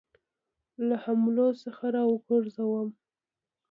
له حملو څخه را وګرځوم.